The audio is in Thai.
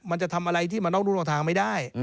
มันจะทำอะไรที่มันนอกรูนอกทางไม่ได้